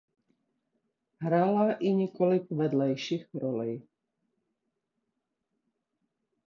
Hrála i několik vedlejších rolí.